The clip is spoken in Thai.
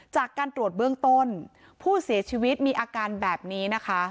จากการตรวจเบื้องต้นผู้เสียชีวิตมีอาการแบบนี้นะคะ